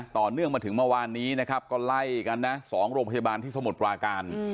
ต่อเนื่องมาถึงเมื่อวานนี้นะครับก็ไล่กันนะ๒โรงพยาบาลที่สมุทรปราการ